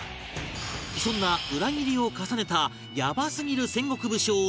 そんな裏切りを重ねたヤバすぎる戦国武将